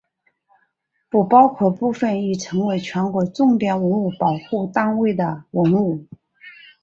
不包括部分已成为全国重点文物保护单位的文物。